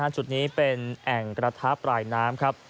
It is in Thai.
จุดนี้เป็นแอ่งกระทะปลายน้ำครับ